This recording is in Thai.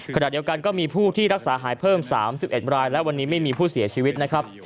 ขณะเดียวกันก็มีผู้ที่รักษาหายเพิ่ม๓๑รายและวันนี้ไม่มีผู้เสียชีวิตนะครับ